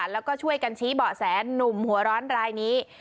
แล้วก็ช่วยกันชี้เบาะแสนุ่มหัวร้อนรายนี้